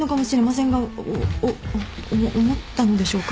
おおも思ったのでしょうか。